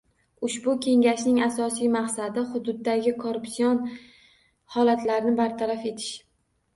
Ushbu kengashning asosiy maqsadi hududdagi korrupsion holatlarni bartaraf etish.